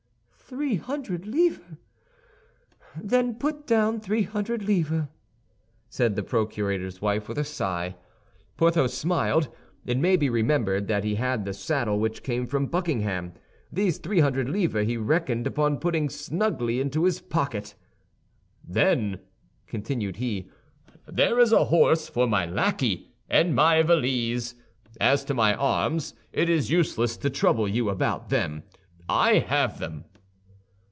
"Three hundred livres? Then put down three hundred livres," said the procurator's wife, with a sigh. Porthos smiled. It may be remembered that he had the saddle which came from Buckingham. These three hundred livres he reckoned upon putting snugly into his pocket. "Then," continued he, "there is a horse for my lackey, and my valise. As to my arms, it is useless to trouble you about them; I have them."